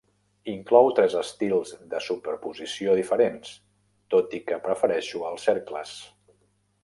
Inclou tres estils de superposició diferents, tot i que prefereixo els cercles.